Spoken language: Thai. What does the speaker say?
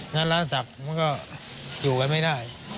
งั้นร้านสักมันก็อยู่กันไม่ได้